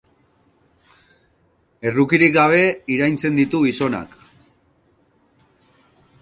Errukirik gabe iraintzen ditu gizonak.